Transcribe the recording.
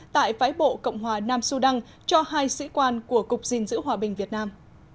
tại phái bộ cộng hòa nam sudan cho hai sĩ quan của cục gìn giữ hòa bình việt nam